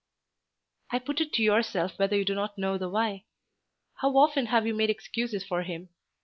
"I put it to yourself whether you do not know the why. How often have you made excuses for him?